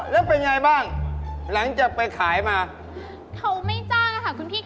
แล้วเป็นไงบ้างหลังจากไปขายมาเขาไม่จ้างอะค่ะคุณพี่